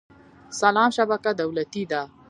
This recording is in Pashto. سلام شبکه دولتي ده